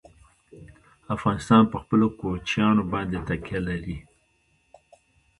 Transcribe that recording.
افغانستان په خپلو کوچیانو باندې تکیه لري.